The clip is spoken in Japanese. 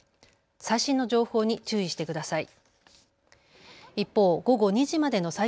最新の情報に注意してください。